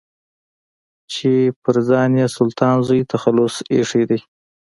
چې پر ځان يې سلطان زوی تخلص ايښی دی.